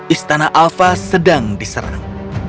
istana alfa sedang diserang